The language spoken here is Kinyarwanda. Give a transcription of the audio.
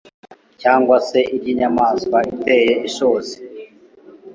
cyangwa se iry'inyamaswa iteye ishozi